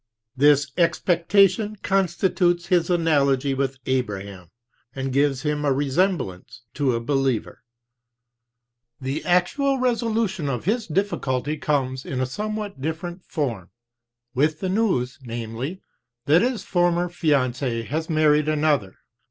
This expectation constitutes his analogy with Abraham, and gives him a resem blance to. a believer. The actual resolution of his difficulty comes in a somewhat different form, with the news, namely, that his former fiancee has married another.